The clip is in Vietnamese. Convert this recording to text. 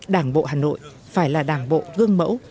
đảng bộ hà nội phải là đảng bộ gương mẫu